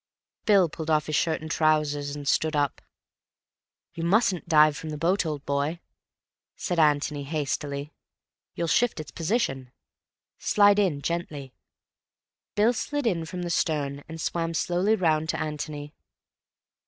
Bill pulled off his shirt and trousers, and stood up. "You mustn't dive from the boat, old boy," said Antony hastily. "You'll shift its position. Slide in gently." Bill slid in from the stern and swam slowly round to Antony.